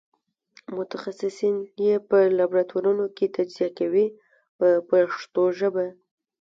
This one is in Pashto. متخصصین یې په لابراتوارونو کې تجزیه کوي په پښتو ژبه.